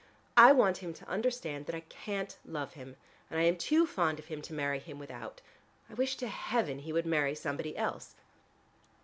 I want him to understand that I can't love him, and I am too fond of him to marry him without. I wish to heaven he would marry somebody else."